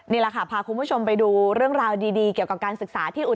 นี่แหละค่ะพาคุณผู้ชมไปดูเรื่องราวดีเกี่ยวกับการศึกษาที่อุ